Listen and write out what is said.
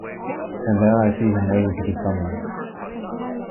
And there I see him waiting to be summoned.